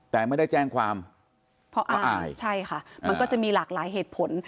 แต่ไม่ได้แจ้งความเพราะอายใช่ค่ะมันก็จะมีหลากหลายเหตุผล